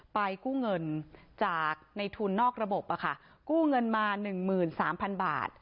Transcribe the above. กู้เงินจากในทุนนอกระบบกู้เงินมา๑๓๐๐๐บาท